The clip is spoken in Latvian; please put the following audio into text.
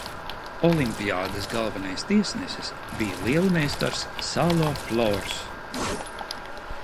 Olimpiādes galvenais tiesnesis bija lielmeistars Salo Flors.